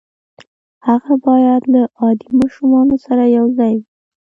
هغه بايد له عادي ماشومانو سره يو ځای وي.